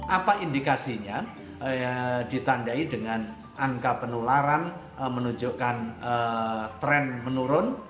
apa indikasinya ditandai dengan angka penularan menunjukkan tren menurun